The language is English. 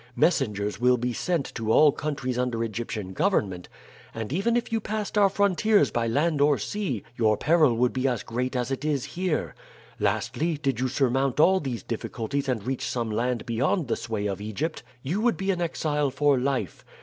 Messengers will be sent to all countries under Egyptian government, and even if you passed our frontiers by land or sea your peril would be as great as it is here. Lastly, did you surmount all these difficulties and reach some land beyond the sway of Egypt, you would be an exile for life.